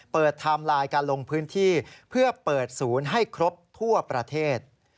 ไทม์ไลน์การลงพื้นที่เพื่อเปิดศูนย์ให้ครบทั่วประเทศ